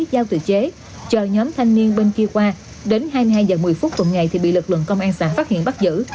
giao tự chế cho nhóm thanh niên bên kia qua đến hai mươi hai h một mươi phút cùng ngày thì bị lực lượng công an xã phát hiện bắt giữ